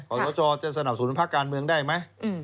สชจะสนับสนุนภาคการเมืองได้ไหม